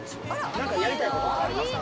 何かやりたいことありますか？